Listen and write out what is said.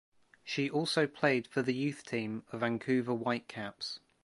She also played for the youth team of Vancouver Whitecaps.